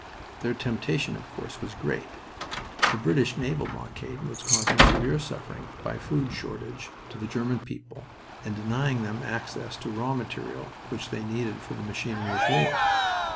Their temptation, of course, was great. The British naval blockade was causing severe suffering by food shortage to the German people and denying them access to raw material which they needed for the machinery of war.